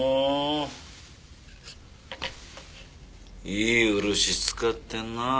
いい漆使ってんな。